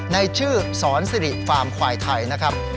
ในชื่อสอนสิริฟาร์มควายไทยนะครับ